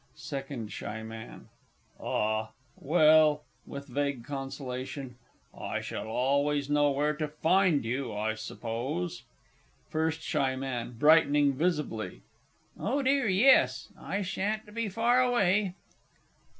SECOND S. M. Ah, well (with vague consolation), I shall always know where to find you, I suppose. FIRST S. M. (brightening visibly). Oh dear, yes; I sha'n't be far away.